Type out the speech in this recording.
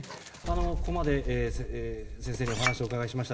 ここまで先生にお話をお伺いしました。